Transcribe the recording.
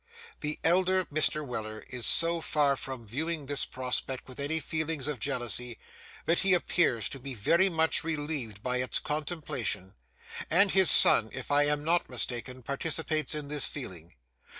The elder Mr. Weller is so far from viewing this prospect with any feelings of jealousy, that he appears to be very much relieved by its contemplation; and his son, if I am not mistaken, participates in this feeling.